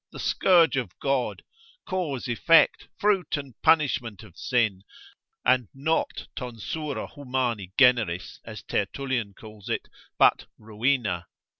the scourge of God, cause, effect, fruit and punishment of sin, and not tonsura humani generis as Tertullian calls it, but ruina.